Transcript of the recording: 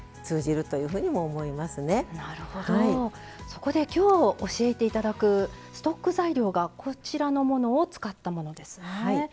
そこで今日教えて頂くストック材料がこちらのものを使ったものですね。